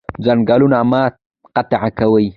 ځنګلونه مه قطع کوئ